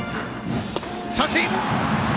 三振！